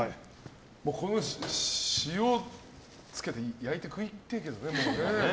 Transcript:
この塩つけて焼いて食いたいけどね。